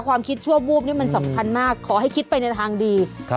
ความคิดชั่ววูบนี่มันสำคัญมากขอให้คิดไปในทางดี